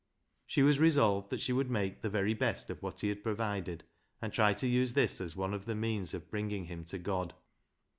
She was resolved that she would make the very best of what he had provided, and try to use this as one of the means of bringing him to God.